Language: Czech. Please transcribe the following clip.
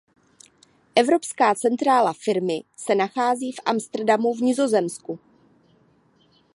Evropská centrála firmy se nachází v Amsterdamu v Nizozemsku.